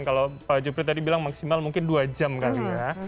kalau pak jupri tadi bilang maksimal mungkin dua jam kali ya